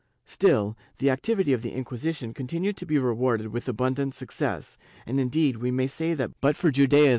Still, the activity of the Inquisition continued to be rewarded with abundant success, and indeed we may say that but for Juda ^ Ubi sup.